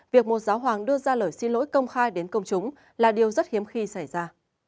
việc một giáo hoàng đưa ra lời xin lỗi công khai đến công chúng là điều rất hiếm khi xảy ra